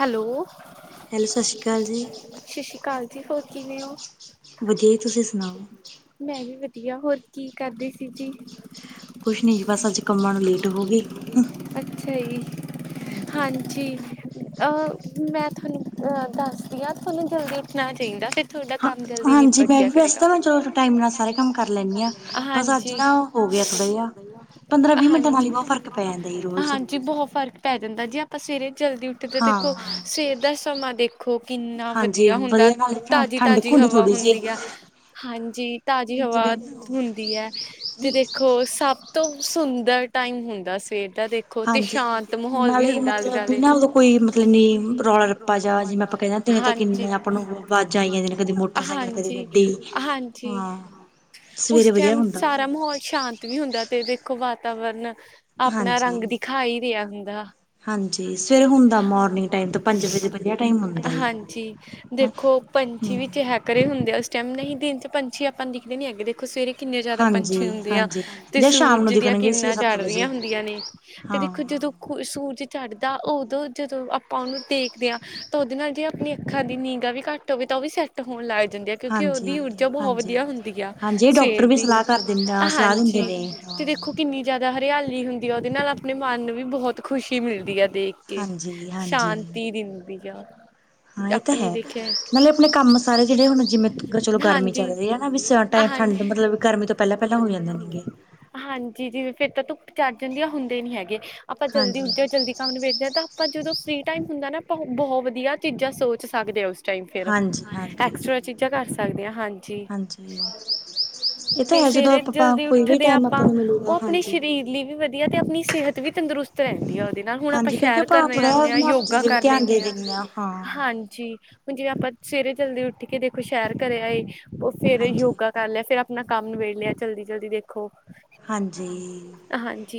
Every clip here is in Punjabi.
ਹੈਲੋ, ਹੈਲੋ ਸਤਿ ਸ਼੍ਰੀ ਅਕਾਲ ਜੀ [unintelligible] ਸਛੀ ਕਾਲ ਜੀ, ਹੋਰ ਕਿਵੇਂ ਓ? ਵਦੀਆ ਤੁਸੀਂ ਸੁਣਾਓ? ਮੈਂ ਵੀ ਵਦੀਆ ਹੋਰ ਕੀ ਕਰਦੇ ਸੀ ਜੀ? ਕੁਛ ਨੀ ਜੀ ਬਸ ਅੱਜ ਕੰਮਾਂ ਨੂੰ ਲੇਟ ਹੋ ਗਈ। ਅੱਛਾ ਜੀ, ਹਾਂਜੀ। ਅ ਮੈਂ ਥਾਨੂੰ, ਅ ਦੱਸਦੀ ਆਂ ਧੋਨੂੰ ਜਲਦੀ ਉੱਠਣਾ ਚਾਈਦਾ ਫੇਰ ਥੋਡਾ ਹਾਂ ਕੰਮ ਜਲਦੀ ਹਾਂਜੀ ਨਿਬੜ ਮੈਂ ਜੇਆਂ ਵੀ ਵੈਸੇ ਕਰੇਗਾ ਤਾਂ ਨਾ ਚਲੋ ਟਾਈਮ ਨਾਲ ਸਾਰੇ ਕੰਮ ਕਰ ਲੈਂਦੀ ਹਾਂ [unintelligible] ਬਸ ਅੱਜ ਹਾਂਜੀ। ਨਾ [unintelligible] ਹੋ ਗਿਆ ਥੋੜਾ ਜਿਹਾ ਪੰਦਰਾਂ ਵੀਹ ਮਿੰਟਾਂ ਨਾਲ ਹਾਂਜੀ ਹੀ ਬਹੁਤ ਫ਼ਰਕ ਪੈ ਜਾਂਦਾ ਜੀ [unintelligible] ਰੋਜ਼ ਹਾਂਜੀ। ਜੀ ਬਹੋ ਫਰਕ ਪੈ ਜਾਂਦਾ ਜੇ ਆਪਾਂ ਸਵੇਰੇ ਜਲਦੀ ਉੱਠਦੇ ਹਾਂ ਦੇਖੋ, ਸਵੇਰ ਦਾ ਸਮਾਂ ਦੇਖੋ, ਈਨਾ ਹਾਂਜੀ ਵਦੀਆ ਹੁੰਦਾ, ਵਧੀਆ ਨਾਲ ਠੰਡਕ ਤਾਜ਼ੀ-ਤਾਜ਼ੀ ਹਵਾ ਥੋੜ੍ਹੀ ਹੁੰਦੀ ਆ, ਜਿਹੀ ਹਾਂਜੀ। ਤਾਜ਼ੀ ਜਿਵੇਂ ਹਵਾ, ਹੁੰਦੀ ਐ, ਤੇ ਦੇਖ ਓ ਸਭ ਤੋਂ ਸੁੰਦਰ ਟਾਈਮ ਹੁੰਦਾ ਆ ਸਵੇਰ ਦਾ ਦੇ ਖੋਂ ਤੇ ਹਾਂਜੀ ਸ਼ਾਂਤ ਮਾਹੌਲ ਵੀ ਨਾਲੇ ਹੁੰਦਾ ਮਤਲਬ ਵੀ ਆਲੇ-ਦਾਲੇ ਨਾ ਉਦੋਂ ਕੋਈ ਮਤਲਬ ਨੀ ਰੌਲਾ ਰੱਪਾ ਜਾ ਜਿਵੇਂ ਆਪਾਂ ਕਹਿੰਦੇ [unintelligible] ਦਿਨੇ ਤਾਂ ਹਾਂਜੀ [unintelligible] ਕਿੰਨੇ ਆਪਾਂ ਨੂੰ ਆਵਾਜ਼ਾਂ ਆਈ ਜਾਂਦੀਆਂ ਨੇ ਕਦੇ ਮੋਟਰਸਾਈਕਲ ਕਦੇ ਹਾਂਜੀ [unintelligible] ਗੱਡੀ ਹਾਂਜੀ। ਹਾਂ ਸਵੇਰੇ ਉਸ ਵਧੀਆ ਟਾਈਮ ਹੁੰਦਾ ਸਾਰਾ ਮਾਹੌਲ ਸ਼ਾਂਤ ਵੀ ਹੁੰਦਾ ਤੇ ਦੇਖੋ ਵਾਤਾਵਰਨ ਅਪਨਾ ਹਾਂਜੀ ਰੰਗ ਦੀਖਾ ਈ ਰੇਆ ਹੁੰਦਾ। ਹਾਂਜੀ, ਸਵੇਰੇ ਹੁੰਦਾ ਮੋਰਨਿੰਗ ਟਾਈਮ ਤੋਂ ਪੰਜ ਵਜੇ ਵਦੀਆ ਟਾਈਮ ਹੁੰਦਾ ਜੀ। ਜੀ। ਦੇਖੋ ਪੰਛੀ ਵੀ ਚੈਹਕ ਰਏ ਹੁੰਦੇ ਆ ਉਸ ਟਾਈਮ ਨਹੀ ਦਿਨ ਚ ਪੰਛੀ ਆਪਾਂ ਨੂੰ ਦਿਖਦੇ ਨੀ ਹੈਗੇ ਦੇ ਖੋ ਸਵੇਰੇ ਕਿੰਨੇ ਜਾਦਾ ਹਾਂਜੀ ਪੰਛੀ ਹੁੰਦੇ ਆ ਹਾਂਜੀ ਤੇ ਜਾਂ ਸ਼ਾਮ ਨੂੰ ਸੂਰਜ ਦੀਆਂ ਦਿਖਣਗੇ ਛੇ ਕਿਰਨਾਂ ਸੱਤ ਚੜ ਵਜੇ ਰਈਆਂ ਹੁੰ ਦੀਆਂ ਨੇ ਤੇ ਹਾਂ ਦੇਖੋ ਜਦੋਂ ਸੂਰਜ ਚੜਦਾ ਓਦੋਂ ਜਦੋਂ ਆਪਾਂ ਓਨੂੰ ਦੇਖਦੇ ਆਂ ਤਾਂ ਓਦੇ ਨਾਲ ਜੇ ਆਪਣੀ ਅੱਖਾਂ ਦੀ ਨੀਂਗਾ ਵੀ ਘੱਟ ਹੋਵੇ ਤਾਂ ਓ ਵੀ ਸੈ ਟ ਹੋਣ ਲਾਏ ਜਾਂਦੇ ਆ ਕਿਉਂਕਿ ਹਾਂਜੀ ਓਦੀ ਊਰਜਾ ਬਹੋ ਹਾਂਜੀ ਵਦੀਆ ਹੁੰਦੀ ਆ, ਹਾਂਜੀ ਡਾਕਟਰ ਸਵੇਰ ਵੀ ਦੀ। ਸਲਾਹ ਕਰ ਦਿੰ ਸਲਾਹ ਦਿੰਦੇ ਹਾਂਜੀ, ਨੇ ਤੇ ਹਾਂ ਦੇ ਖੋ ਕਿਨੀ ਜਾਦਾ ਹਰਿਆਲੀ ਹੁੰਦੀ ਆ ਓਦੇ ਨਾਲ ਆਪਣੇ ਮਨ ਨੂੰ ਵੀ ਬਹੁਤ ਖੁਸ਼ੀ ਮਿਲਦੀ ਆ ਦੇਖ ਕੇ ਹਾਂਜੀ ਹਾਂਜੀ ਸ਼ਾਂਤੀ ਦਿਂਦੀ ਆ। ਹਾਂ ਏ ਤਾਂ ਆਪਾਂ ਨੇ ਹੈ, ਦੇਖਿਆ ਨਾਲੇ ਆਪਣੇ ਕੰਮ ਸਾਰੇ ਜੇੜੇ ਹੁਣ ਜਿਵੇਂ ਚਲੋ ਗਰਮੀ ਚੱਲ ਰਈ ਐ ਨਾ ਵੀ ਸਾ ਟੈ ਠੰਡ ਮਤਲਬ ਗਰਮੀ ਤੋਂ ਪੈਂਲਾਂ-ਪੈਂਲਾਂ ਹੋ ਜਾਂਦੇ ਨੇਗੇ। ਹਾਂਜੀ ਜਿਵੇਂ ਫੇਰ ਤਾਂ ਧੁੱਪ ਚੜ ਜਾਂਦੀ ਆ ਹੁੰਦੇ ਨੀ ਹੈਗੇ, ਆਪਾਂ ਜਲਦੀ ਉਠ ਹਾਂਜੀ ਜਾਓ ਜਲਦੀ ਕੰਮ ਨਬੇੜਦੇ ਤਾਂ ਆਪਾਂ ਜਦੋਂ ਫਰੀ ਟਾਈਮ ਹੁੰਦਾ ਨਾ ਬਹੌ ਵਦੀਆ ਚੀਜ਼ਾਂ ਸੋਚ ਸਕਦੇ ਉਸ ਚਾਂਈ ਫਿਰ ਹਾਂਜੀ ਹਾਂਜੀ ਐਕਸਟਰਾ ਚੀਜ਼ਾਂ ਕਰ ਸਕਦੇ ਆਂ ਹਾਂ ਹਾਂਜੀ। ਏ ਤਾਂ ਤੇ ਹੈ ਜਦੋਂ ਸਵੇਰੇ ਆਪਾਂ-ਆਪਾਂ ਜਲਦੀ ਕੋਈ ਵੀ ਉੱਠਦੇ ਆ ਟੈਮ ਆਪਾਂ ਨੂੰ ਉਹ ਮਿਲੂਗਾ ਆਪਣੇ ਹਾਂਜੀ। ਸਰੀਰ ਲਈ ਵੀ ਆ ਤੇ ਆਪਨੀ ਸੇਹਤ ਵੀ ਤੰਦਰੁਸਤ ਰੈਂਦੀ ਆ ਓਦੇ ਨਾ ਹੁਨ ਆਪਾਂ ਹਾਂਜੀ ਕਿਉਂਕਿ ਸ਼ੈਰ ਆਪਾਂ ਕਰਨ ਥੋੜਾ ਜਾਨੇ ਆਂ ਨਾ ਆਪਣੀ ਯੋਗਾ ਤੇ ਵੀ ਕਰ ਧਿਆਨ ਦੇ ਲੈਨੇ ਹਾਂ, ਦਿੰਦੇ ਹਾਂ ਹਾਂਜੀ ਹੁਨ ਜਿਵੇਂ ਆਪਾਂ ਸਵੇਰੇ ਜਲਦੀ ਉੱਠ ਕੇ ਦੇਖੋ ਸ਼ੈਰ ਕਰੇਆ ਆਏ, ਓ ਫੇਰ ਹਾਂਜੀ। ਯੋਗਾ। ਪੈਲੇ ਫੇਰ ਆਪਨਾ ਕੰਮ ਨਿਬੇੜ ਲਿਆ ਜਲਦੀ-ਜਲਦੀ ਦੇਖੋ। ਹਾਂਜੀ।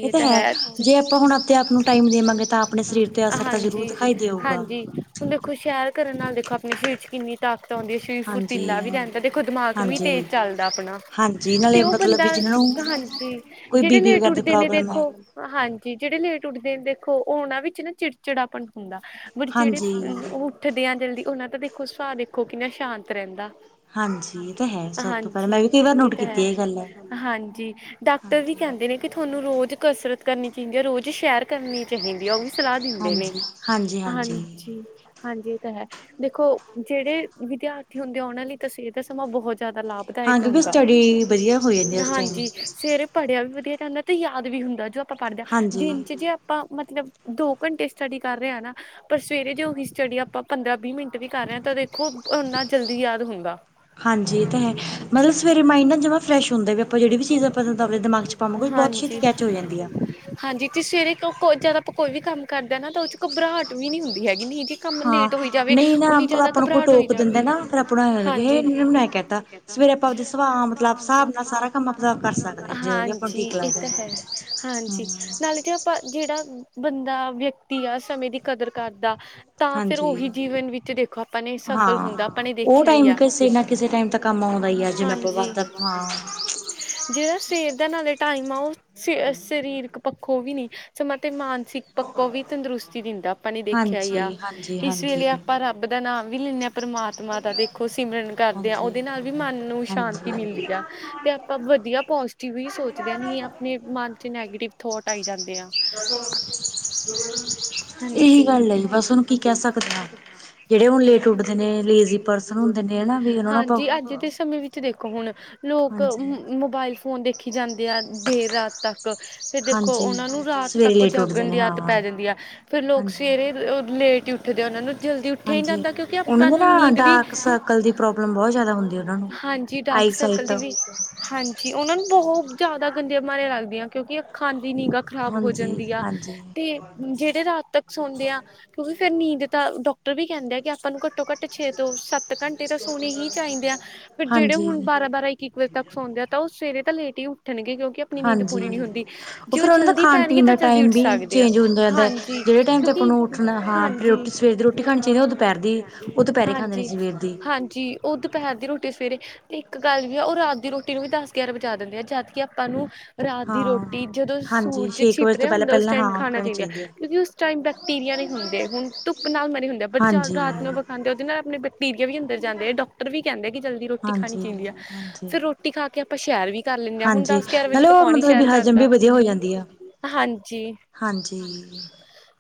ਏ ਤਾਂ ਹੈ ਜੇ ਆਪਾਂ ਹੁਨ ਆਪਦੇ ਆਪ ਨੂੰ ਟਾਈਮ ਦੇਵਾਂਗੇ ਤਾਂ ਆਪਨੇ ਸਰੀਰ ਤੇ ਅਸਰ ਤਾਂ ਜ਼ਰੂਰ ਦਖਾਈ ਦੇਊਗਾ। ਹੁਨ ਦੇਖੋ ਸ਼ੈਰ ਕਰਨ ਨਾਲ ਦੇਖੋ ਆਪਨੇ ਸਰੀਰ ਚ ਕਿੰਨੀ ਤਾਕਤ ਔਂਦੀ ਐ। ਸ਼ਰੀਰ ਹਾਂਜੀ। ਫੁਰਤੀਲਾ ਵੀ ਰੈਂਦਾ ਦੇਖੋ ਦਮਾਕ ਵੀ ਤੇਜ਼ ਹਾਂਜੀ ਚੱਲਦਾ ਆਪਨਾ, ਹਾਂਜੀ ਤੇ ਨਾਲੇ ਓ ਮਤਲਬ ਬੰਦਾ ਵੀ ਜਿਹਨਾਂ ਨੂੰ ਹਾਂਜੀ ਕੋਈ ਜੇੜੇ ਬੀ ਪੀ ਲੇਟ ਵਗੈਰਾ ਦੀ ਉੱਠਦੇ ਨੇ ਪ੍ਰੋਬਲਮ ਹੈ। ਦੇਖੋ ਹਾਂਜੀ ਜੇੜੇ ਲੇਟ ਉੱਠਦੇ ਨੇ ਦੇਖੋ ਓਨਾਂ ਵਿੱਚ ਨਾ ਚਿੜਚਿੜਾਪਨ ਹੁੰਦਾ ਬਟ ਜੇੜੇ ਹਾਂਜੀ ਓ ਉੱਠਦੇਆਂ ਜਲਦੀ ਓਨਾਂ ਦਾ ਦੇਖੋ ਸੁਭਾਅ ਦੇਖੋ ਕਿੰਨਾ ਸ਼ਾਂਤ ਰੈਂਦਾ। ਹਾਂਜੀ, ਏ ਤਾਂ ਹੈ ਸਭ ਤੋਂ ਪੈਲਾਂ ਮੈਂ ਵੀ ਕਈ ਵਾਰ ਇਹ ਨੋਟ ਤਾਂ ਕੀਤੀ ਐ ਏ ਗੱਲ। ਹੈ ਹਾਂਜੀ ਡਾਕਟਰ ਵੀ ਹਾਂਜੀ। ਕੈਂਦੇ ਨੇ ਕੇ ਥੋਨੂੰ ਰੋਜ਼ ਕਸਰਤ ਕਰਨੀ ਚਈਂਦੀ ਐ ਰੋਜ਼ ਸ਼ੈਰ ਕਰਨੀ ਚਾਈਂਦੀ ਐ ਓ ਵੀ ਸਲਾਅ ਦਿੰਦੇ ਨੇ, ਹਾਂਜੀ ਹਾਂਜੀ ਹਾਂਜੀ। ਹਾਂਜੀ ਏ ਤਾਂ ਹੈ ਦੇਖੋ ਜੇੜੇ ਵਿਦਿਆਰਥੀ ਹੁੰਦੇ ਓਨਾਂ ਲਈ ਤਾਂ ਸੇਤ ਸਮਾਂ ਬਹੁ ਜਾਦਾ ਹਾਂ ਲਾਭਦਾਇਕ ਕਿਉਂਕਿ ਹੁੰਦਾ, ਸਟੱਡੀ ਵਧੀਆ ਹੋ ਜਾਂਦੀ ਉਸ ਟਾਈਮ ਹਾਂਜੀ ਸਵੇਰੇ ਪੜੇਆ ਵੀ ਵਦੀਆ ਜਾਂਦਾ ਤੇ ਯਾਦ ਵੀ ਹੁੰਦਾ ਜੋ ਆਪਾਂ ਪੜਦੇ ਆਂ, ਹਾਂਜੀ ਦਿਨ ਚ ਜੇ ਆ ਆਪਾਂ ਮਤਲਬ ਦੋ ਘੰਟੇ ਸਟੱਡੀ ਕਰ ਰਏ ਆਂ ਨਾ ਪਰ ਸਵੇਰੇ ਜੇ ਓਹੀ ਸੱਟਡੀ ਆਪਾਂ ਪੰਦਰਾਂ ਵੀਹ ਮਿੰਟ ਵੀ ਕਰ ਰਏ ਆਂ ਤਾਂ ਦੇਖੋ ਓਨਾ ਜਲਦੀ ਯਾਦ ਹੁੰਦਾ। ਹਾਂਜੀ ਏ ਤਾਂ ਹੈ, ਮਤਲਬ ਸਵੇਰੇ ਮਾਈਂਡ ਨਾ ਜਮਾਂ ਫਰੈਸ਼ ਹੁੰਦਾ ਵੀ ਆਪਾਂ ਜੇੜੀ ਵੀ ਚੀਜ਼ ਆਪਾਂ ਆਪਨੇ ਦਮਾਗ ਚ ਪਾਵਾਂਗੇ ਓ ਵੀ ਬੋਤ ਛੇਤੀ ਕੈਚ ਹੋ ਜਾਂਦੀ ਆ। ਹਾਂਜੀ ਜੇ ਸਵੇਰੇ ਕੋ ਜਦ ਆਪਾਂ ਕੋਈ ਵੀ ਕੰਮ ਕਰਦੇ ਆਂ ਨਾ ਤਾਂ ਓਚ ਘਬਰਾਹਟ ਵੀ ਨੀ ਹੁੰਦੀ ਹੈਗੀ ਨਹੀ ਇਕ ਕੰਮ ਹਾਂ ਲੇਟ ਹੋਈ ਜਾਵੇ ਨਹੀਂ ਨਾ ਓਨੀ ਆਪ ਜਾਦਾ ਆਪਾਂ ਨੂੰ ਕੋਈ ਘਬਰਾਟ ਹੋਈ ਟੋਕ ਦਿੰਦਾ ਜਾਂਦੀ ਨਾ ਐ, ਫਿਰ ਆਪਾਂ ਨੂੰ ਐਂ ਹੁੰਦਾ ਵੀ ਹੇ ਹਾਂਜੀ। ਇਹਨੇ ਜੀ ਮੈਨੂੰ ਐ ਕਹਿਤਾ ਸਵੇਰੇ ਆਪਦੇ ਆਪਾਂ ਆਪਨੇ ਸੁਭਾਅ ਸਵਾ ਹਿਸਾਬ ਮਤਲਬ ਸਾਬ ਨਾਲ ਕੰਮ ਸਾਰਾ ਆਪਦਾ ਕਰ ਸਕਦੇ ਹਾਂ ਕੰਮ ਜਦੋਂ ਵੀ ਆਪਾਂ ਨੂੰ ਹਾਂਜੀ, ਠੀਕ ਏ ਲੱਗਦਾ ਤਾਂ ਹੈ। ਹਾਂਜੀ, ਨਾਲੇ ਜੇ ਆਪਾਂ ਜੇੜਾ ਬੰਦਾ ਵਿਅਕਤੀ ਆ ਸਮੇਂ ਦੀ ਕਦਰ ਕਰਦਾ ਤਾਂ ਫੇਰ ਹਾਂਜੀ ਓਹੀ ਜੀਵਨ ਵਿੱਚ ਦੇਖੋ ਆਪਾਂ ਨੇ ਸਫਲ ਹਾਂ ਹੁੰਦਾ ਆਪਾਂ ਨੇ ਦੇਖੇਆ ਈ ਆ ਥੋੜੇ ਟਾਈਮ ਕਿਸੇ ਨਾ ਕਿਸੇ ਕੰਮ ਔਂਦਾ ਈ ਆ ਜਿਵੇਂ ਆਪਾਂ ਵਦ ਥਾਂ ਜੇੜਾ ਸਵੇਰ ਦਾ ਨਾਲੇ ਟਾਈਮ ਆ, ਓ ਸ ਸਰੀਰਕ ਪੱਖੋਂ ਵੀ ਨੀ ਸਮਾਂ ਤੇ ਮਾਨਸਿਕ ਪੱਖੋਂ ਵੀ ਤੰਦਰੁਸਤੀ ਦਿੰਦਾ। ਆਪਾਂ ਨੇ ਦੇਖੇਆ ਈ ਹਾਂਜੀ ਆ, ਹਾਂਜੀ ਇਸ ਹਾਂਜੀ ਵੇਲੇ ਆਪਾਂ ਰੱਬ ਦਾ ਨਾਮ ਵੀ ਲਿੰਨੇ ਆਂ। ਪਰਮਾਤਮਾ ਤਾਂ ਦੇਖੋ ਸਿਮਰਨ ਕਰਦੇ ਆ ਹਾਂਜੀ ਓਦੇ ਨਾਲ ਵੀ ਮਨ ਨੂੰ ਸ਼ਾਂਤੀ ਹਾਂਜੀ ਮਿਲਦੀ ਆ। ਤੇ ਆਪਾਂ ਵਦੀਆ ਪੋਜ਼ਟਿਵ ਵੀ ਸੋਚਦੇ ਆਂ ਨਹੀਂ ਆ ਮਨ ਚ ਨੈਗੇਟਿਵ ਥੋਟ ਆਈ ਜਾਂਦੇ ਆ। ਏਹੀ ਗੱਲ ਆ ਇਹੀ ਜੀ ਬਸ ਹੁਨ ਕੀ ਕੈ ਸਕਦੇ ਆਂ, ਜੇੜੇ ਹੁਨ ਲੇਟ ਉਠਦੇ ਨੇ ਲੇਜ਼ੀ ਪਰਸਨ ਹੁੰਦੇ ਨੇ ਹਨਾ ਵੀ ਉਹਨਾਂ ਨੂੰ ਆਪਾਂ ਹਾਂਜੀ ਅੱਜ ਦੇ ਸਮੇਂ ਵਿੱ ਚ ਦੇਖੋ ਹੁਨ ਲੋਕ ਹਾਂਜੀ। ਮੋਬਾਇਲ ਫੋਨ ਦੇਖੀ ਜਾਂਦੇ ਆ ਦੇਰ ਰਾਤ ਤੱਕ ਫਿਰ ਦੇਖੋ ਹਾਂਜੀ ਓਨਾਂ ਨੂੰ ਰਾਤ ਸਵੇਰੇ ਤੱਕ ਲੇਟ ਉੱਠਦੇ ਜਾਗਨ ਨੇ ਦੀ ਹਾਂ ਆਦਤ ਪੈ ਜਾਂਦੀ ਆ। ਫੇਰ ਲੋਕ ਹਾਂਜੀ। ਸਵੇਰੇ ਲੇਟ ਈ ਉੱਠਦੇ ਆ ਓਨਾਂ ਨੂੰ ਜਲਦੀ ਉੱ ਹਾਂਜੀ ਓਨਾਂ ਦੇ ਨਾ ਡਾਕ ਸਰਕਲ ਦੀ ਪ੍ਰੋਬਲਮ ਬਹੁ ਜਾਦਾ ਹੁੰਦੀ ਐ ਓਨਾਂ ਨੂੰ। ਹਾਂਜੀ ਡਾਰਕ ਆਈ ਸਰਕਲ ਸਾਈਟ ਦੀ ਵੀ ਹਾਂਜੀ, ਉਹਨਾਂ ਨੂੰ ਬਹੁਤ ਜ਼ਿਆਦਾ ਗੰਦੀਆਂ ਬਿਮਾਰੀਆਂ ਲੱਗਦੀਆਂ। ਕਿਉਂਕਿ ਅੱਖਾਂ ਦੀ ਨਿਗਾ ਖ਼ਰਾਬ ਹੋ ਹਾਂਜੀ ਜਾਂਦੀ ਆ, ਹਾਂਜੀ ਤੇ ਜਿਹੜੇ ਰਾਤ ਤੱਕ ਸੌਂਦੇ ਆ ਕਿਉਂਕਿ ਫੇਰ ਨੀਂਦ ਤਾਂ ਡਾਕਟਰ ਵੀ ਕਹਿੰਦੇ ਆ, ਕਿ ਆਪਾਂ ਨੂੰ ਘੱਟੋ ਘੱਟ ਛੇ ਤੋਂ ਸੱਤ ਸੱਤ ਘੰਟੇ ਤਾਂ ਸੋਹਣੇ ਹੀ ਚਾਹੀਦੇ ਆ। ਬਟ ਜਿਹੜੇ ਹੁਣ ਹਾਂਜੀ ਬਾਰਾਂ, ਬਾਰਾਂ ਇੱਕ, ਇੱਕ ਵਜੇ ਤੱਕ ਸੌਦੇ ਆ, ਉਹ ਸਵੇਰੇ ਤਾਂ ਲੇਟ ਹੀ ਉੱਠਣਗੇ। ਕਿਉਂਕਿ ਆਪਣੀ ਨੀਂਦ ਪੂਰੀ ਨਹੀਂ ਹਾਂਜੀ। ਹੁੰਦੀ, ਜੇ ਉਹ ਫਿਰ ਉਹਨਾਂ ਦਾ ਜਲਦੀ ਖਾਣ ਪੈਣਗੇ, ਪੀਣ ਦਾ ਤਾਂ ਜਲਦੀ ਟਾਈਮ ਉੱਠ ਵੀ ਸਕਦੇ ਆ ਚੇਂਜ ਹੁੰਦਾ ਜਾਂਦਾ ਹਾਂਜੀ। ਜਿਹੜੇ ਟਾਈਮ ' ਆਪਾਂ ਕਿਉਂਕਿ ਨੂੰ ਉਠਣਾਂ ਹਾਂ ਰੋਟੀ ਬੇਟਾਇਸ ਤੇ ਤੁਹਾਨੂੰ ਉਠਣ ਹਾਂ, ਹਾਂਜੀ ਰੋਟੀ ਸਵੇਰ ਦੀ, ਰੋਟੀ ਖਾਣੀ ਚਾਹੀਦੀ, ਉਹ ਦੁਪਹਿਰ ਦੀ, ਉਹ ਦੁਪਹਿਰੇ ਖਾਂਦੇ ਨੇ, ਹਾਂਜੀ ਸਵੇਰ ਦੀ ਹਾਂਜੀ ਉਹ ਦੁਪਹਿਰ ਦੀ ਰੋਟੀ ਸਵੇਰੇ, ਤੇ ਇੱਕ ਗੱਲ ਵੀ ਆ, ਉਹ ਰਾਤ ਦੀ ਰੋਟੀ ਨੂੰ ਵੀ ਦਸ ਗਿਆਰਾਂ ਵਜਾ ਦਿੰਦੇ ਆ। ਜਦ ਕਿ ਆਪਾਂ ਤੁਹਾਨੂੰ ਰਾਤ ਦੀ ਹਾਂ ਰੋਟੀ, ਜਦੋਂ ਹਾਂਜੀ ਸੂਰਜ ਛੇ ਕੁ ਛਿਪ ਵਜੇ ਤੋਂ ਰਿਹਾ ਪਹਿਲਾਂ ਹੁੰਦਾ। ਉਸ ਪਹਿਲਾਂ ਟਾਈਮ ਹਾਂ ਖਾਣਾ ਕਰਨੀ ਚਾਹੀਦਾ। ਚਾਹੀਦੀ ਹੈ ਕਿਉਂਕਿ ਉਸ ਉਸ ਟਾਈਮ ਬੈਕਟੀਰੀਆ ਨਹੀਂ ਹੁੰਦੇ, ਹੁਣ ਧੁੱਪ ਨਾਲ ਮਰੇ ਹੁੰਦੇ, ਬਟ ਹਾਂਜੀ ਰਾਤ ਨੂੰ ਆਪਾਂ ਖਾਂਦੇ ਉਹਦੇ ਨਾਲ ਆਪਣੇ ਬਕ ਬਕਟੀਰੀਆ ਵੀ ਅੰਦਰ ਜਾਂਦੇ। ਡਾਕਟਰ ਵੀ ਕਹਿੰਦੇ, ਕਿ ਜਲਦੀ ਰੋਟੀ ਖਾਣੀ ਹਾਂਜੀ ਚਾਹੀਦੀ ਹੈ। ਹਾਂਜੀ ਫਿਰ ਰੋਟੀ ਖਾ ਕਿ ਆਪਾਂ ਸੈ਼ਰ ਵੀ ਕਰ ਲੈਂਣੇ ਹਾਂ ਹੁਣ ਹਾਂਜੀ ਦੱਸ ਨਾਲੇ ਉਹ ਕੌਣ ਨੀ ਮਤਲਬ ਵੀ ਸੈ਼ਰ ਹਜ਼ਮ ਕਰਦਾ ਵੀ ਵਧੀਆ ਹੋ ਜਾਂਦੀ ਆ [unintelligible] ਹਾਂਜੀ ਹਾਂਜੀ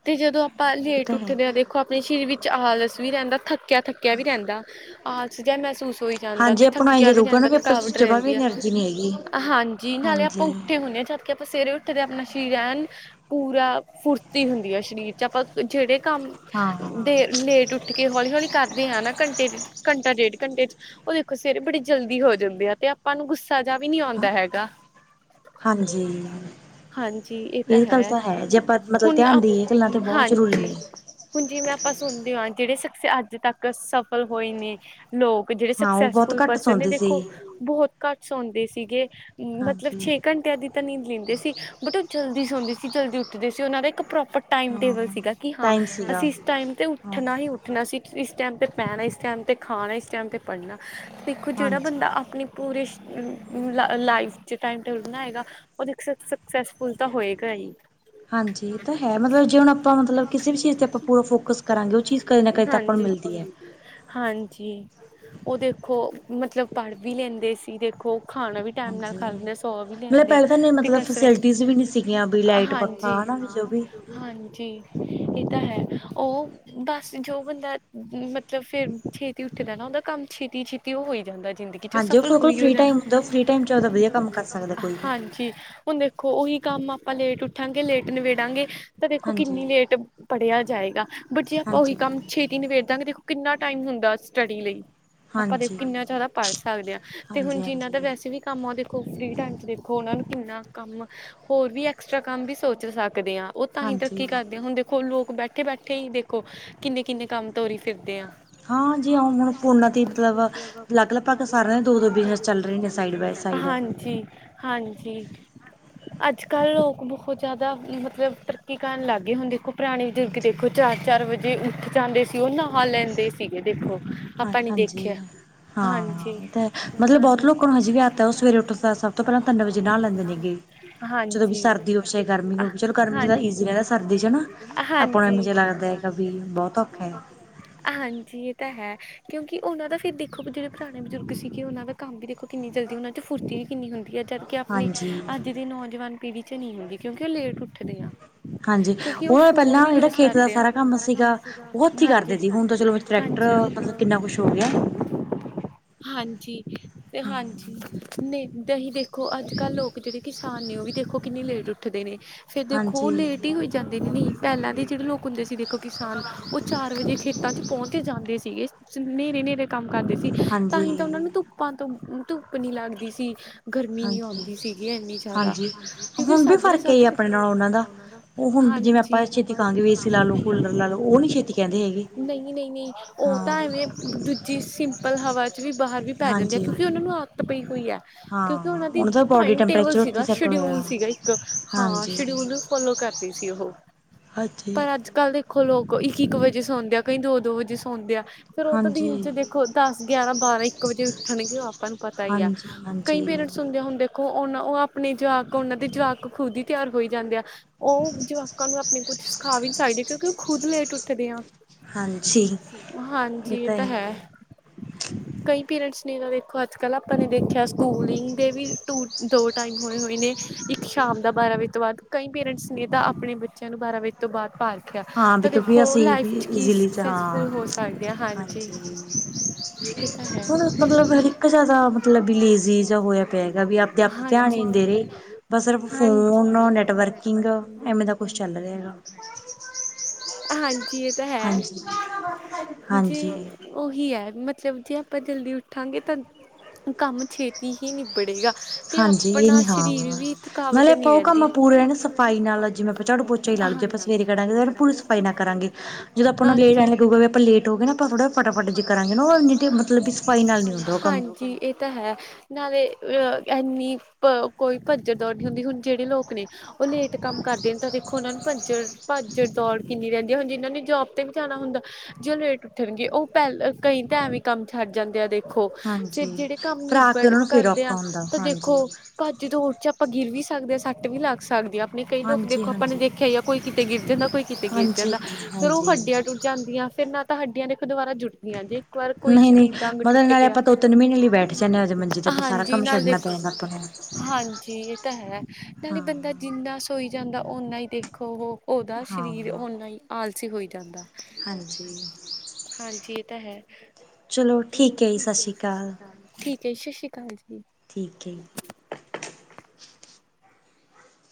ਤੇ ਜਦੋਂ, ਆਪਾਂ ਇਹ ਲੇਟ ਤਾਂ ਹੈ ਉੱਠਦੇ ਹਾਂ ਦੇਖੋ, ਆਪਣੇ ਸਰੀਰ ਵਿੱਚ ਆਲਸ ਵੀ ਰਹਿੰਦਾ ਥੱਕਿਆ ਥੱਕਿਆ ਵੀ ਰਹਿੰਦਾ, ਆਲਸ ਜਿਹਾ ਮਹਿਸੂਸ ਹੋਈ ਜਾਂਦਾ। ਹਾਂਜੀ ਅਤੇ ਆਪਾਂ ਨੂੰ ਐਂ ਥੱਕਿਆ ਵੀ ਜ਼ਰੂਰ ਨਾ ਰਹਿੰਦਾ, ਆਪਾਂ ਥਕਾਵਟ ਜਮਾ ਵੀ ਰਹਿੰਦੀ ਹੈ। ਐਨਰਜੀ ਨਹੀਂ ਹੈਗੀ ਹਾਂਜੀ, ਨਾਲੇ ਆਪਾ ਹਾਂਜੀ ਉੱਠੇ ਹੁੰਣੇ ਜਦਕਿ ਆਪਾਂ ਸਵੇਰੇ ਉੱਠੇਦੇ, ਆਪਣਾ ਸਰੀਰ ਐਨ ਪੂਰਾ ਫੁਰਤੀ ਹੁੰਦੀ ਹੈ। ਸਰੀਰ ਚ ਆਪਾਂ ਜਿਹੜੇ ਕੰਮ ਹਾਂ [unintelligible] ਤੇ ਲੇਟ ਉੱਠ ਕੇ ਹੌਲੀ, ਹੌਲੀ ਕਰਦੇ ਆ ਨਾ ਘੰਟੇ, ਘੰਟਾ ਡੇਢ ਘੰਟੇ ਚ ਉਹ ਦੇਖੋ, ਸਵੇਰੇ ਬੜੇ ਜਲਦੀ ਹੋ ਜਾਂਦੇ ਆ, ਤੇ ਆਪਾਂ ਨੂੰ ਗੁੱਸਾ ਜਿਹਾ ਵੀ ਨੀਂ ਆਉਂਦਾ ਹੈਗਾ। ਹਾਂਜੀ। ਹਾਂਜੀ ਇਹ ਤਾਂ ਗੱਲ ਹੈ ਜੇ ਆਪਾਂ [unintelligible] ਮਤਲਬ ਹੁਣ ਧਿਆਨ ਅ ਦੇਈਏ ਗੱਲਾਂ ਤਾਂ ਬਹੁਤ ਜ਼ਰੂਰੀ ਹਾਂਜੀ। ਨੇ ਹੁਣ ਜਿਵੇਂ ਆਪਾਂ ਸੁਣਦੇ ਹਾਂ। ਜਿਹੜੇ ਸਕਸੇ ਅੱਜ ਤੱਕ ਸਫਲ ਹੋਏ ਨੇ ਲੋਕ ਜਿਹੜੇ ਹਾਂ ਉਹ ਬਹੁਤ ਸਕਸੈਸਫੁਲ ਘੱਟ ਪਰਸਨ ਨੇ ਸੌਂਦੇ ਦੇਖੋ, ਸੀ ਬਹੁਤ ਘੱਟ ਸੌਦੇ ਸੀਗੇ। ਮਤਲਬ ਹਾਂਜੀ ਛੇ ਘੰਟਿਆਂ ਦੀ, ਤਾਂ ਨੀਂਦ ਲੈਂਦੇ ਸੀ। ਬਟ ਉਹ ਜਲਦੀ ਸੌਂਦੀ ਸੀ। ਜਲਦੀ ਉੱਠਦੀ ਸੀ। ਉਹਨਾਂ ਦਾ ਇੱਕ ਪ੍ਰੋਪਰ ਟਾਈਮ ਹਾਂ ਟੇਬਲ ਸੀਗਾ, ਕਿ ਹਾਂ ਟਾਈਮ ਸੀਗਾ ਅਸੀਂ ਇਸ ਟਾਈਮ ਤੇ ਹਾਂ ਉੱਠਣਾ ਹੀ ਉੱਠਣਾ ਉੱਠਣਾ ਸੀ। ਇਸ ਟਾਈਮ ਤੇ ਪੈਣਾ, ਇਸ ਟਾਈਮ 'ਤੇ ਖਾਣਾ, ਇਸ ਟਾਈਮ 'ਤੇ ਪੜ੍ਹਨਾ ਦੇਖੋ, ਜਿਹੜਾ ਬੰਦਾ ਹਾਂਜੀ ਆਪਣੀ ਪੂਰੀ ਲਾ ਲਾਈਫ ਜੇ ਟਾਈਮ ਟੇਬਲ ਬਣਾਏਗਾ। ਉਹ ਸਕਸੈਸਫੁਲ ਤਾਂ ਹੋਏਗਾ ਹੀ। ਹਾਂਜੀ, ਇਹ ਤਾਂ ਹੈ। ਮਤਲਬ ਜੇ ਹੁਣ ਆਪਾਂ ਮਤਲਬ, ਕਿਸੇ ਵੀ ਚੀਜ਼ 'ਤੇ ਆਪਾਂ ਪੂਰਾ ਫੋਕਸ ਕਰਾਂਗੇ। ਉਹ ਚੀਜ਼ ਕਦੇ ਨਾ, ਕਦੇ ਤਾਂ, ਆਪਾਂ ਨੂੰ ਮਿਲਦੀ ਆ ਹਾਂਜੀ। ਉਹ ਦੇਖੋ, ਮਤਲਬ ਪੜ੍ਹ ਵੀ ਲੈਂਦੇ ਸੀ। ਦੇਖੋ, ਖਾਣਾ ਵੀ ਟਾਈਮ ਨਾਲ ਹਾਂਜੀ। ਖਦੇ ਆ ਸੌ ਵੀ ਮਤਲਬ ਲੈਂਦੇ ਆ, ਪਹਿਲਾਂ ਤਾਂ ਨਹੀਂ ਤੇ ਮਤਲਬ ਕਸਰਤ [inaudible] ਵੀ ਫੈਸਿਲਿਟੀਜ਼ ਨਹੀਂ ਸੀਗੀਆਂ ਵੀ ਲਾਈਟ ਹਾਂਜੀ। ਪੱਖਾ ਹਨਾ ਵੀ ਜੋ ਵੀ ਹਾਂਜੀ, ਇਹ ਤਾਂ ਹੈ। ਉਹ ਬੱਸ, ਜੋ ਬੰਦਾ ਮਤਲਬ ਫੇਰ ਛੇਤੀ ਉੱਠਦਾ ਨਾ, ਉਹਦਾ ਕੰਮ ਛੇਤੀ, ਛੇਤੀ ਹੋਈ ਜਾਂਦਾ ਜ਼ਿੰਦਗੀ ਚ ਹਾਂਜੀ, ਸਫਲ ਉਹ ਕੋਲ ਹੋਈ ਹੋ ਫ੍ਰੀ ਜਾਂ ਟਾਈਮ ਹੁੰਦਾ। ਉਹ ਫ੍ਰੀ ਟਾਈਮ ਚ ਆਬਦਾ ਵਧੀਆ ਕੰਮ ਕਰ ਸਕਦਾ। ਕੋਈ ਵੀ ਜੀ [inaudible] ਹੁਣ ਦੇਖੋ, ਉਹੀ ਕੰਮ ਆਪਾਂ ਲੇਟ ਉੱਠਾਂਗੇ, ਲੇਟ ਨਿਬੇੜਾਂਗੇ। ਤਾਂ ਦੇਖੋ, ਹਾਂਜੀ। ਕਿੰਨੀ ਲੇਟ ਪੜ੍ਹਿਆ ਜਾਏਗਾ। ਬਟ ਜੇ ਆਪਾਂ ਉਹੀ ਹਾਂਜੀ, ਹਾਂਜੀ। ਕੰਮ ਛੇ। ਤੀ ਨਿਬੇੜਦਾਗੇ ਦੇਖੋ, ਕਿੰਨਾ ਟਾਈਮ ਹੁੰਦਾ, ਸਟੱਡੀ ਲਈ। ਆਪਾਂ ਦੇਖੋ, ਹਾਂਜੀ-ਹਾਂਜੀ। ਕਿੰਨਾ ਜ਼ਿਆਦਾ ਪੜ੍ਹ ਸਕਦੇ ਹਾਂ, ਤੇ ਹੁਣ ਜਿਨਾਂ ਦਾ ਵੈਸੇ ਵੀ ਕੰਮ ਉਹਦੇ ਕੋ ਫਰੀ ਟਾਈਮ ਚ ਦੇਖੋ, ਉਹਨਾਂ ਨੂੰ ਕਿੰਨਾ ਕੰਮ, ਹੋਰ ਵੀ ਐਕਸਟ੍ਰਾ ਕੰਮ ਵੀ ਸੋਚ ਸਕਦੇ ਆ। ਓ ਤਾਂ ਹੀ ਹਾਂਜੀ, ਤਰੱਕੀ ਹਾਂਜੀ, ਕਰਦੇ ਆ ਹੁਣ ਦੇਖੋ ਲੋਕ ਬੈਠੇ-ਬੈਠੇ ਹੀ ਦੇਖੋ ਕਿੰਨੇ-ਕਿੰਨੇ ਕੰਮ ਤੋਰੀ ਫਿਰਦੇ ਆ। [unintelligible] ਹਾਂ ਜੀ ਹੁਣ ਫੋਨਾਂ ਤੇ ਮਤਲਬ ਅਲੱਗ-ਅਲੱਗ ਲਗਭੱਗ ਦੇ ਦੋ-ਦੋ ਸਾਰਿਆਂ ਦੋ ਬਿਜ਼ਨਸ ਦੋ ਬਿਜਨੈਸ ਚੱਲ ਰਹੇ ਸਾਈਡ ਬਾਏ ਨੇ, ਸਾਈਡ। ਹਾਂ ਜੀ ਹਾਂਜੀ। ਅੱਜ-ਕੱਲ੍ਹ ਲੋਕ ਬੋਹ ਜਾਦਾ ਮਤਲਬ ਤਰੱਕੀ ਕਰਨ ਲੱਗ ਗਏ। ਹੁਣ ਦੇਖੋ ਪੁਰਾਣੇ ਬਜ਼ੁਰਗ ਹਾਂਜੀ। ਦੇਖੋ, ਚਾਰ-ਚਾਰ ਵਜੇ ਉੱਠ ਜਾਂਦੇ ਸੀ ਓ ਨਾ ਲੈਂਦੇ ਸੀਗੇ ਦੇਖੋ। ਹਾਂ ਆਪਾਂ ਨੀ ਹਾਂਜੀ ਦੇਖਿਆ, ਹਾਂਜੀ ਹਾਂ ਤੇ ਮਤਲਬ ਹਾਂ ਬਹੁਤ ਲੋਕਾਂ ਨੂੰ ਹਜੇ ਵੀ ਆਦਤ ਹੈ ਉਹ ਸਵੇਰੇ ਉੱਠਣ ਦਾ ਸਭ ਤੋਂ ਪਹਿਲਾਂ ਤਿੰਨ ਵਜੇ ਨਹਾ ਲੈਂਦੇ ਨੇਗੇ [unintelligible] [unintelligible] ਜਦੋਂ ਵੀ ਹਾਂਜੀ। ਸਰਦੀ ਹੋਵੇ ਚਾਹੇ ਗਰਮੀ ਹੋਗੀ ਚਲੋ ਗਰਮੀ ਚ ਤਾਂ ਈਜ਼ੀ ਹਾਂਜੀ ਰੈਂਦਾ ਸਰਦੀ ਚ ਹਨਾ, ਆਪਾਂ ਨੂੰ ਐਵੇਂ ਜੇ ਲੱਗਦਾ ਹੈਗਾ ਵੀ ਬੋਤ ਔਖਾ ਐ। ਹਾਂਜੀ, ਏ ਤਾਂ ਹੈ ਕਿਉਂਕੀ ਉਨਾਂ ਦਾ ਫਿਰ ਦੇਖੋ ਜੇੜੇ ਪੁਰਾਣੇ ਬਜ਼ੁਰਗ ਸੀਗੇ ਉਨਾਂ ਦਾ ਕੰਮ ਵੀ ਦੇਖੋ ਕਿੰਨੀ ਜਲਦੀ ਉਨਾਂ ਚ ਫੁਰਤੀ ਵੀ ਕਿੰਨੀ ਹੁੰਦੀ ਆ ਜਦਕਿ ਆਪਣੇ ਹਾਂਜੀ ਅੱਜ ਦੇ ਨੌਜਵਾਨ ਪੀੜ੍ਹੀ ਚ ਨੀ ਹੁੰਦੀ ਕਿਉਂਕੀ ਓ ਲੇਟ ਉੱਠਦੇ ਆ। ਹਾਂਜੀ, ਕਿਉਂਕਿ ਉਹ ਓ ਫੋਨ ਪੈਲਾਂ ਵੀ ਜੇੜਾ ਯੂਜ ਖੇਤ ਦਾ ਕਰਦੇ ਆ ਸਾਰਾ ਕੰਮ ਸੀਗਾ ਓਹ ਓਥੀ ਉਹ ਕਰਦੇ ਤੀ ਹੁਣ ਤਾਂ ਚਲੋ ਟਰੈਕਟਰ, ਮਤਲਬ ਕਿੰਨਾ ਕੁਛ ਹੋ ਗਿਆ ਹਾਂਜੀ ਤੇ ਹਾਂਜੀ ਨੇ ਦਹੀਂ ਦੇਖੋ, ਅੱਜ ਕੱਲ੍ਹ ਲੋਕ ਜੇੜੇ ਕਿਸਾਨ ਨੇ ਓ ਵੀ ਦੇਖੋ ਕਿੰਨੀ ਲੇਟ ਉੱਠਦੇ ਨੇ ਫੇਰ ਦੇਖੋ ਓ ਹਾਂਜੀ ਲੇਟ ਈ ਹੋਈ ਜਾਂਦੇ ਨੇ [unintelligible] ਪੈਲਾਂ ਦੇ ਜੇੜੇ ਲੋਕ ਹੁੰਦੇ ਸੀ ਦੇਖੋ ਕਿਸਾਨ ਓ ਚਾਰ ਵਜੇ ਖੇਤਾਂ ਚ ਪੋਂਚ ਜਾਂਦੇ ਸੀਗੇ ਹਨੇਰੇ-ਹਨੇਰੇ ਕੰਮ ਕਰਦੇ ਸੀ ਤਾਂ ਹੀ ਹਾਂਜੀ ਤਾਂ ਉਨਾਂ ਨੂੰ ਧੁੱਪਾਂ ਤੋਂ ਧੁੱਪ ਨੀ ਲੱਗਦੀ ਸੀ ਗਰਮੀ ਨੀ ਹਾਂਜੀ ਔਂਦੀ ਸੀਗੀ ਇੰਨੀ ਜਾਦਾ ਹਾਂਜੀ ਕਿਉਂਕੀ ਹੁਣ ਵੀ ਸਾਧਰੇ ਫ਼ਰਕ ਹੈ ਸਾਧਰੇ ਆਪਣੇ ਨਾਲ ਉਹਨਾਂ ਆਪਣਾ ਓਨਾਂ ਦਾ ਉਹ ਹੁਣ ਜਿਵੇਂ ਹਾਂਜੀ ਛੇਤੀ ਆਪਾਂ ਕਹਾਂਗੇ ਵੀ ਏਸੀ ਲਾ ਲਓ [unintelligible] ਕੂਲਰ ਲਾ ਲਓ ਉਹ ਨੀ ਛੇਤੀ ਕਹਿੰਦੇ ਹੈਗੇ ਨਈ-ਨਈ-ਨਈ ਹਾਂ। ਦੂਜੀ ਸਿੰਪਲ ਹਵਾ ਚ ਵੀ ਬਾਹਰ ਵੀ ਪੈ ਜਾਂਦੇ ਆ ਹਾਂਜੀ ਕਿਉਂਕੀ ਉਨਾਂ ਨੂੰ ਆਦਤ ਪਈ ਹੋਈ ਆ ਹਾਂ ਕਿਉਂਕੀ ਉਨਾਂ ਦੀ ਉਹਨਾਂ ਦਾ ਬੋਡੀ ਟਾਈਮ ਟੇਬਲ ਟੈਂਪਰੇਚਰ ਉੱਥੇ ਸੀਗਾ ਸੈੱਟ ਸ਼ਡਿਊਲ ਹੋਇਆ ਸੀਗਾ ਇੱਕ ਹਾਂ ਹਾਂਜੀ ਸ਼ਡਿਊਲ ਫੋਲੋ ਕਰਦੀ ਸੀ ਓਹੋ। [unintelligible] ਕੱਲ੍ਹ ਦੇਖੋ ਲੋਕ ਇੱਕ-ਇੱਕ ਵਜੇ ਸੌਂਦੇ ਆ ਕਈ ਦੋ-ਦੋ ਵਜੇ ਸੌਂਦੇ ਆ, ਫਿਰ ਓ ਤਾਂ ਦਿਨ ਚ ਹਾਂਜੀ ਦੇਖੋਂ ਦਸ, ਗਿਆਰਾਂ, ਬਾਰਾਂ, ਇੱਕ ਵਜੇ ਉੱਠਣਗੇ ਓ ਆਪਾਂ ਨੂੰ ਪਤਾ ਈ ਆ ਹਾਂਜੀ ਕਈ ਹਾਂਜੀ ਪੇਰੈਂਟਸ ਹੁੰਦੇ ਹੁਣ ਦੇ ਖੋ ਔਨ ਓ ਆਪਣੇ ਜਵਾਕ ਉਨਾਂ ਦੇ ਜਵਾਕ ਖੁਦ ਈ ਤਿਆਰ ਹੋਈ ਜਾਂਦੇ ਆ ਓ ਜਵਾਕਾਂ ਨੂੰ ਆਪਣੇ ਕੁਛ ਸਿਖਾ ਵੀ ਨਹੀਂ ਸਕਦੇ, ਕਿਉਂਕੀ ਓ ਖੁਦ ਲੇਟ ਉਠਦੇ ਆ। ਹਾਂਜੀ ਹਾਂ ਜੀ ਏ ਤਾਂ ਹੈ। ਕਈ ਪੇਰੈਂਟਸ ਨੇ ਨਾ ਦੇਖੋ ਅੱਜ ਕੱਲ ਆ ਆਪਾਂ ਨੇ ਦੇਖਿਆ ਸਕੂਲਿੰਗ ਦੇ ਵੀ ਟੂ ਦੋ ਟਾਈਮ ਹੋਏ ਹੋਏ ਨੇ, ਇੱਕ ਸ਼ਾਮ ਦਾ ਬਾਰਾਂ ਵਜੇ ਤੋਂ ਬਾਦ ਕਈ ਪੇਰੈਂਟਸ ਨੇ ਤਾਂ ਆਪਣੇ ਬੱਚਿਆਂ ਨੂੰ ਬਾਰਾ ਵਜੇ ਤੋਂ ਬਾਦ ਪਾ ਰੱਖਿਆ ਹਾਂ ਵੀ ਤਾਂ ਕਿਉਂਕਿ ਦੇਖੋ ਅਸੀਂ ਲਾਈਫ ਵੀ ਚ ਕੀ ਇਜ਼ੀਲੀ ਚ ਸਕਸੈਸਫੁੱਲ ਹਾਂ ਹੋ ਸਕਦੇ ਆ, ਹਾਂ ਜੀ। ਹਾਂਜੀ ਹੁਣ ਮਤਲਬ ਹਰ ਇ ਕ ਜਾਦਾ ਮਤਲਬ ਵੀ ਲੇਜ਼ੀ ਜਾ ਹੋਇਆ ਪਿਆ ਹੈਗਾ ਵੀ ਆਪਦੇ ਆਪ ਧਿਆਨ ਈ ਹਾਂਜੀ। ਨੀ ਦੇ ਰੇ। ਬਸ ਸਿਰਫ ਹਾਂਜੀ। ਫੋਨ, ਨੈਟਵਰਕਿੰਗ ਐਵੇਂ ਦਾ ਕੁਛ ਚੱਲ ਰਿਆ ਗਾ। ਹਾਂ ਜੀ ਏ ਤਾਂ ਹੈ, ਜੇ ਹਾਂਜੀ, ਓਹੀ ਐ ਮਤਲਬ ਜੇ ਆਪਾਂ ਜਲਦੀ ਉੱਠਾਂਗੇ ਤਾਂ ਕੰਮ ਛੇਤੀ ਹੀ ਨਿਬੜੇਗਾ। ਤੇ ਹਾਂਜੀ ਆਪਣਾ ਇਹ ਹਾਂ ਸਰੀਰ ਵੀ ਨਾਲੇ ਥਕਾਵਟ ਆਪਾਂ ਨੀ ਉਹ ਕੰਮ ਰੈਂਦੀ। ਪੂਰੇ ਨਾ ਸਫ਼ਾਈ ਨਾਲ ਜਿਵੇਂ ਝਾੜੂ ਪੋਚਾ ਈ ਲਾਹ ਲੋ, ਜੇ ਆਪਾਂ ਸਵੇਰੇ ਕਢਾਂਗੇ ਤੇ ਪੂਰੀ ਸਫ਼ਾਈ ਨਾ ਕਰਾਂਗੇ। ਜਦੋਂ ਆਪਾਂ ਨੂੰ ਹੁਣ ਲੇ ਆਏ ਲੱਗੂ ਗਾ ਲੇਟ ਹੋਗੇ ਨਾ ਆਪ ਥੋੜਾ ਫਟਾਫਟ ਜੇ ਕਰਾਂਗੇ ਨਾ ਓ ਇੰਨੀ ਕੁ ਮਤਲਬ ਵੀ ਸਫਾਈ ਨਾਲ ਨੀ ਹੁੰਦਾ ਓ ਕੰਮ। ਜੀ ਏ ਤਾਂ ਹੈ। ਨਾਲੇ ਅ ਇੰਨੀ ਕ ਕੋਈ ਕੱਜ ਦੌੜ ਨੀ ਹੁੰਦੀ ਹੁਣ ਜੇੜੇ ਲੋਕ ਨੇ ਓ ਲੇਟ ਕੰਮ ਕਰਦੇ ਨੇ ਤਾਂ ਜੇ ਦੇਖੋ ਓਨਾਂ ਨੂੰ ਭੱਜੜ ਭੱਜ-ਦੌੜ ਕਿੰਨੀ ਰੈਦੀ ਏ। ਹੁਣ, ਜਿਨ੍ਹਾਂ ਨੇ ਜੋਬ ਤੇ ਵੀ ਜਾਣਾ ਹੁੰਦਾ ਜੇ ਓ ਲੇਟ ਉੱਠਣਗੇ ਓ ਪੈਲ ਕਈ ਤਾਂ ਐਵੇ ਹੀ ਕੰਮ ਛੱਡ ਜਾਂਦੇ ਆ ਦੇਖੋ। ਫਿਰ ਹਾਂਜੀ, ਜੇੜੇ ਕੰਮ ਫੇਰ ਆ ਕੇ ਨਿਬੜ ਉਹਨਾਂ ਨੂੰ ਫੇਰ ਕਰਦੇ ਔਖਾ ਆ ਹੁੰਦਾ ਤਾਂ ਦੇਖੋ ਹਾਂਜੀ। ਭੱਜ-ਦੌੜ ਚ ਆਪਾਂ ਗਿਰ ਵੀ ਸਕਦੇ ਆਂ, ਸੱਟ ਵੀ ਲੱਗ ਸਕਦੀਆਂ। ਨੇ ਕਈ ਲੋਕ ਹਾਂਜੀ, ਦੇਖੋ ਆਪਾਂ ਨੇ ਹਾਂਜੀ, ਦੇਖੇਆ ਈਆ ਕੋਈ ਕਿਤੇ ਗਿਰ ਜਾਂਦਾ, ਕੋਈ ਕਿਤੇ ਗਿਰ ਹਾਂਜੀ, ਜਾਂਦਾ ਫੇਰ ਓ ਹਾਂਜੀ। ਹੱਡੀਆਂ ਜਾਂਦੀਆਂ ਫੇਰ ਨਾ ਤਾਂ ਹੱਡੀਆਂ ਨੇ ਇੱਕ ਦੁਆਰਾ ਜੁੜਦੀਆਂ ਜੇ ਇੱਕ ਵਾਰ ਕੋਈ ਨਹੀਂ-ਨਹੀਂ ਸਰੀਰ ਦਾ ਅੰਗ ਮਤਲਬ ਟੁੱਟ ਨਾਲੇ ਗਿਆ ਆਪਾਂ ਦੋ-ਤਿੰਨ ਮਹੀਨੇ ਲਈ ਬੈਠ ਜਾਨੇ ਆ, ਮੰਜੀ ਚ ਆਪਾਂ ਸਾਰਾ ਹਾਂਜੀ ਕੰਮ ਨਾਲ ਛੱਡਣਾ ਪੈ ਦੇਖੋ ਜਾਂਦਾ ਆਪਾਂ ਨੂੰ। ਹਾਂਜੀ, ਏ ਤਾਂ ਹੈ ਹਾਂ ਨਾਲੇ ਬੰਦਾ ਜਿੰਨਾ ਸੋਈ ਜਾਂਦਾ ਓਨਾ ਹੀ ਦੇਖੋ ਓਹੋ ਓਦਾ ਸ਼ਰੀਰ ਹਾਂ ਓਨਾ ਹੀ ਆਲਸੀ ਹੋਈ ਜਾਂਦਾ। ਹਾਂਜੀ। ਹਾਂਜੀ, ਏ ਤਾਂ ਹੈ। ਚਲੋ ਠੀਕ ਐ। ਠੀਕ ਹੈ ਜੀ, ਸ਼ਸ਼ੀ ਕਾਲ। ਠੀਕ ਹੈ ਜੀ